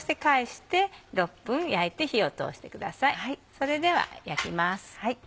それでは焼きます。